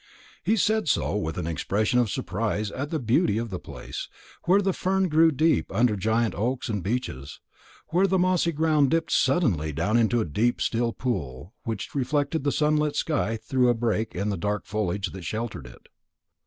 He said so, with an expression of surprise at the beauty of the place, where the fern grew deep under giant oaks and beeches, and where the mossy ground dipped suddenly down to a deep still pool which reflected the sunlit sky through a break in the dark foliage that sheltered it.